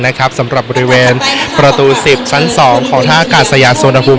นะครับสำหรับบริเวณประตูสิบชั้นสองของท่าอากาศสยาสวนภูมิ